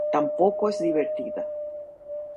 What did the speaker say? Tampoco es divertida.